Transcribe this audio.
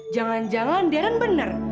jangan jangan darren bener